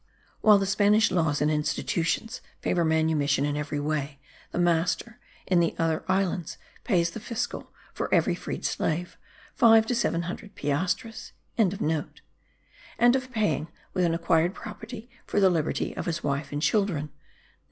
While the Spanish laws and institutions favour manumission in every way, the master, in the other islands, pays the fiscal, for every freed slave, five to seven hundred piastres!), and of paying, with an acquired property, for the liberty of his wife and children.